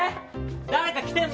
誰か来てんの？